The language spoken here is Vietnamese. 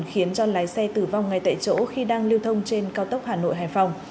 khiến cho lái xe tử vong ngay tại chỗ khi đang lưu thông trên cao tốc hà nội hải phòng